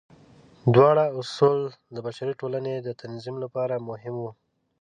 دواړه اصول د بشري ټولنې د تنظیم لپاره مهم وو.